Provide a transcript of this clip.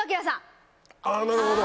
あなるほど！